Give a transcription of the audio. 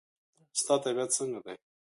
ستا طبیعت څنګه دی؟